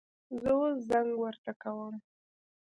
زه اوس زنګ ورته کوم